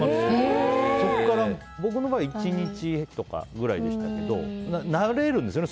そこから僕の場合は１日とかくらいでしたけど慣れるんですよね